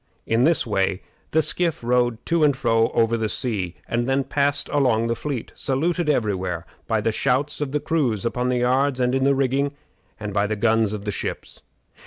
In this way the skiff rowed to and fro over the sea, and then passed along the fleet, saluted every where by the shouts of the crews upon the yards and in the rigging, and by the guns of the ships.